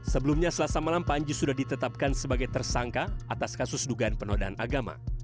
sebelumnya selasa malam panji sudah ditetapkan sebagai tersangka atas kasus dugaan penodaan agama